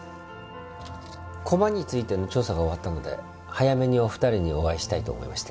駒についての調査が終わったので早めにお二人にお会いしたいと思いまして。